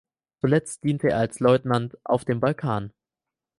Zuletzt diente er als Leutnant auf dem Balkan.